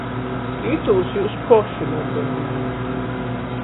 Itūs jius poši nūpeļnejot.